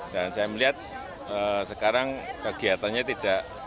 dan saya melihat sekarang kegiatannya tidak